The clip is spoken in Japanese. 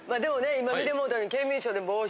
今見てもうたように。